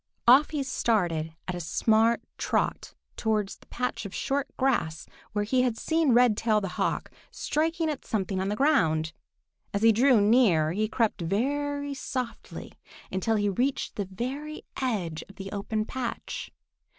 Off he started at a smart trot towards the patch of short grass where he had seen Redtail the Hawk striking at something on the ground. As he drew near, he crept very softly until he reached the very edge of the open patch.